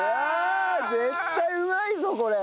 絶対うまいぞこれ！